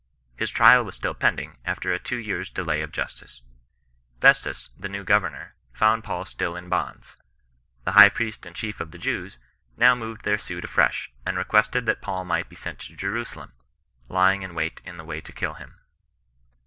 His trial was still pending, after a two years delay of justice. Festus, the new governor, found Paul still in bonds. The high priest and chief of the Jews now moved their suit afresh, and requested that Paul might be sent to Jerusalem —" lying in wait in the way to kiU him."